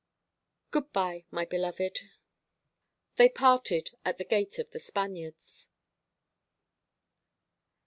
"Good bye, my beloved." They parted at the gate of The Spaniards.